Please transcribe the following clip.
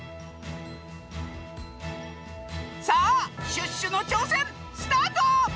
さあシュッシュのちょうせんスタート！